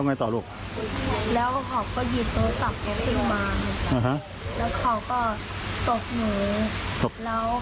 ตรงหน้าลูกเราเลยเหรอครับ